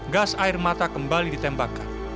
gas air mata kembali ditembakkan